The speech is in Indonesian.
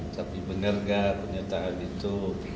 tapi benar nggak pernyataan itu